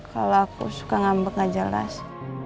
kalau aku suka ngambek nggak jelas